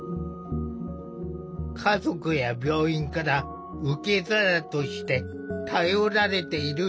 家族や病院から受け皿として頼られている滝山病院。